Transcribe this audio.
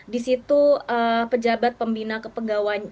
di situ pejabat pembina kepegawaian